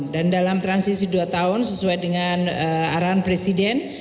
dan dalam transisi dua tahun sesuai dengan arahan presiden